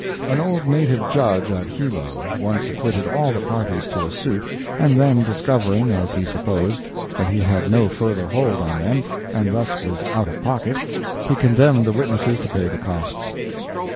An old native Judge at Hilo once acquitted all the parties to a suit and then discovering, as he supposed, that he had no further hold on them and thus was out of pocket, he condemned the witnesses to pay the costs!